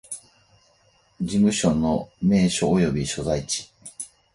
事務所の名称及び所在地